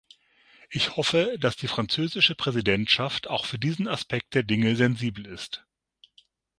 Ich hoffe, dass die französische Präsidentschaft auch für diesen Aspekt der Dinge sensibel ist.